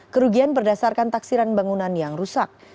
kerugian berdasarkan taksiran bangunan yang rusak